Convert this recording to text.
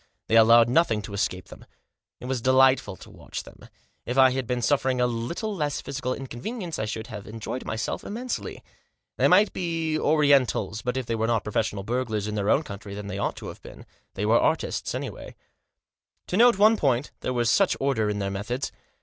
They allowed nothing to escape them. It was delightful to watch them. If I had been suffering a little less physical inconvenience I should have enjoyed myself immensely. They might be Orientals ; but if they were not professional burglars in their own country then they ought to have been. They were artists any way. To note one point — there was such order in their methods.